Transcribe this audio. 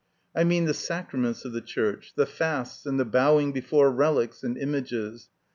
I mean the sacraments of the Church, the fasts, and the bowing before relics and images.